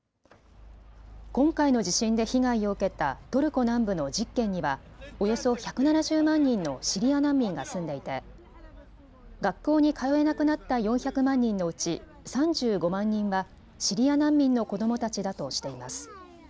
今回の地震で被害を受けたトルコ南部の１０県にはおよそ１７０万人のシリア難民が住んでいて学校に通えなくなった４００万人のうち３５万人はシリア難民の子どもたちだとしています。